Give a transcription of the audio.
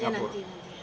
ya berkait nanti